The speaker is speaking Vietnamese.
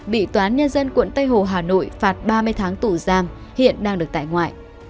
bị toán nhân dân quận tây hồ hà nội phạt ba mươi tháng tù giam hiện đang được tại ngoại